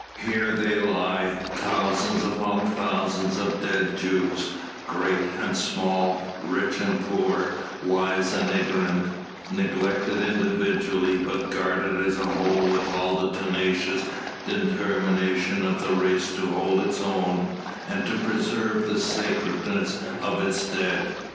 Here they lie, thousands upon thousands of dead Jews, great and small, rich and poor, wise and ignorant, neglected individually, but guarded as a whole with all the tenacious determination of the race to hold its own, and to preserve the sacredness of its dead.